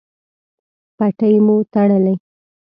پټۍ مو تړلی؟